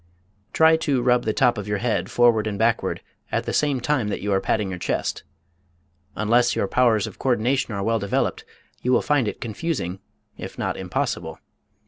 Try to rub the top of your head forward and backward at the same time that you are patting your chest. Unless your powers of coördination are well developed you will find it confusing, if not impossible.